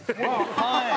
はい。